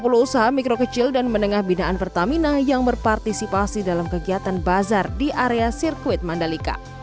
sepuluh usaha mikro kecil dan menengah binaan pertamina yang berpartisipasi dalam kegiatan bazar di area sirkuit mandalika